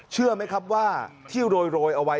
เชื่อไหมครับว่าที่โรยเอาไว้